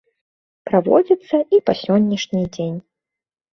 Праводзіцца і па сённяшні дзень.